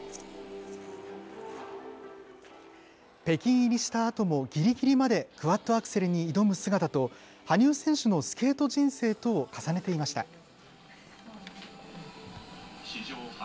北京入りしたあとも、ぎりぎりまでクワッドアクセルに挑む姿と、羽生選手のスケート人生とを重ねていました。